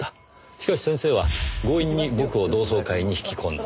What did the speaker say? しかし先生は強引に僕を同窓会に引き込んだ。